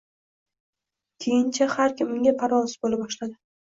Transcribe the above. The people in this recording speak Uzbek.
Keyincha har kim unga parvosiz bo`la boshladi